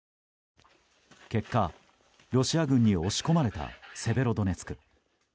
結果、ロシア軍に押し込まれたセベロドネツク。